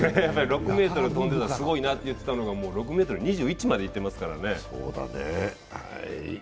６ｍ跳んでいたのがすごいなと言っていたのが、もう６ｍ２１までいってますからね。